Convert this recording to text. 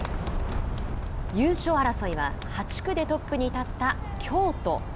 優勝争いは８区でトップに立った京都。